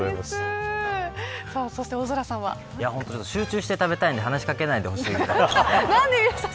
集中して食べたいので話し掛けないでほしいぐらい。